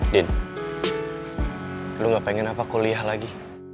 din lo nggak pengen apa kuliah lagi